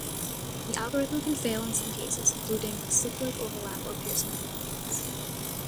The algorithm can fail in some cases, including cyclic overlap or piercing polygons.